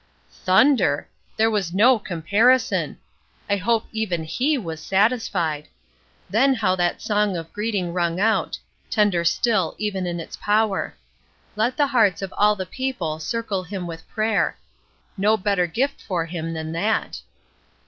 Thunder! That was no comparison! I hope even he was satisfied. Then how that song of greeting rung out; tender still, even in its power: "Let the hearts of all the people circle him with prayer." No better gift for him than that.